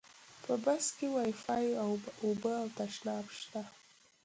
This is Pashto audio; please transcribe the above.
په بس کې وایفای، اوبه او تشناب شته.